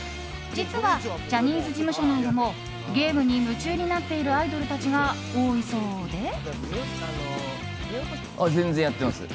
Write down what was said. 実はジャニーズ事務所内でもゲームに夢中になっているアイドルたちが多いそうで。